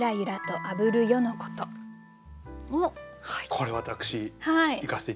これ私いかせて頂きたいです。